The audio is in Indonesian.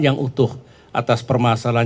yang utuh atas permasalahan